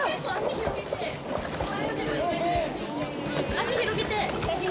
足広げて。